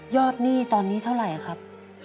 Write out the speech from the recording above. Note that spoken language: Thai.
หนี้ตอนนี้เท่าไหร่ครับ